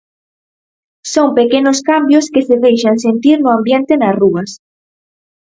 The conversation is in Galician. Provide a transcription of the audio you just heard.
Son pequenos cambios que se deixan sentir no ambiente nas rúas.